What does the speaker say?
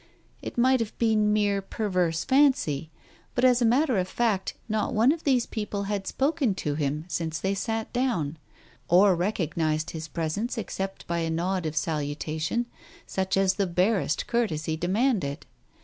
It might have been mere perverse fancy, but as a matter of fact not one of these people had spoken to him since they sat down, or recognized his presence except by a nod of salutation such as the barest courtesy demanded.